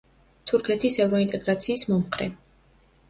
თურქეთის ევროინტეგრაციის მომხრე.